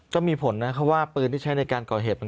ก็มีผลนะครับว่าปืนที่ใช้ในการก่อเหตุมัน